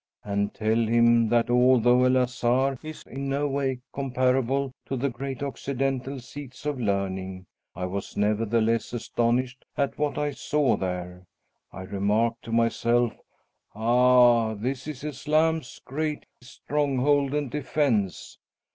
And tell him that, although El Azhar is in no way comparable to the great Occidental seats of learning, I was nevertheless astonished at what I saw there. I remarked to myself: 'Ah, this is Islam's great stronghold and defence!